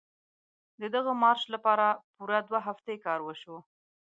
د دغه مارش لپاره پوره دوه هفتې کار وشو.